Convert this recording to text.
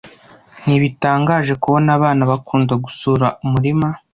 Ntibitangaje kubona abana bakunda gusura umurima.